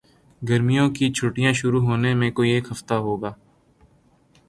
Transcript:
گرمیوں کی چھٹیاں شروع ہونے میں کوئی ایک ہفتہ ہو گا